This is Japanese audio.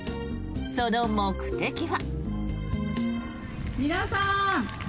その目的は。